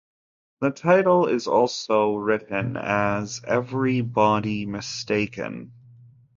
The title is also written as Every Body Mistaken.